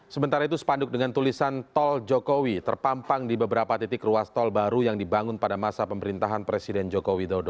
sementara itu spanduk dengan tulisan tol jokowi terpampang di beberapa titik ruas tol baru yang dibangun pada masa pemerintahan presiden joko widodo